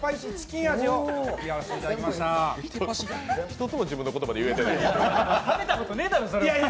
一つも自分の言葉で言えてない。